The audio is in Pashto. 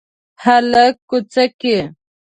هلک کوڅه کې